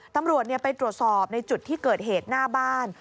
ตำรวจไปตรวจสอบในจุดที่เกิดเหตุหน้าบ้าน